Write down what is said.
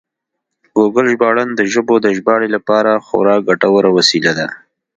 ګوګل ژباړن د ژبو د ژباړې لپاره خورا ګټور وسیله ده.